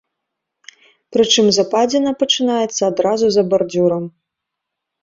Прычым западзіна пачынаецца адразу за бардзюрам.